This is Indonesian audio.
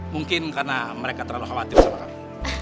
mungkin karena mereka terlalu khawatir sama kami